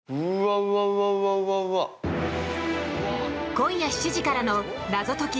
今夜７時からの「謎解き！